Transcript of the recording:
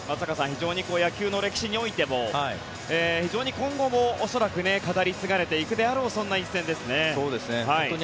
非常に野球の歴史においても非常に今後も恐らく語り継がれていくであろうそんな一戦ですね。